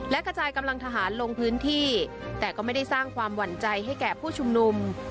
และกระจายกำลังทหารลงพื้นที่แต่ก็ไม่ได้สร้างความหวั่นใจให้แก่ผู้ชุมนุม